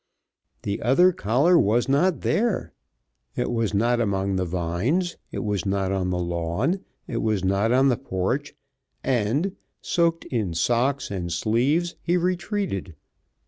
The other collar was not there! It was not among the vines, it was not on the lawn, it was not on the porch, and soaked in socks and sleeves he retreated.